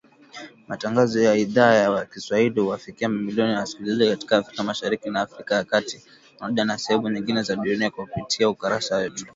Matangazo ya Idhaa ya Kiswahili huwafikia mamilioni ya wasikilizaji katika Afrika Mashariki na Afrika ya kati Pamoja na sehemu nyingine za dunia kupitia ukurasa wetu .